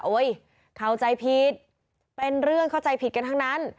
เข้าใจผิดเป็นเรื่องเข้าใจผิดกันทั้งนั้น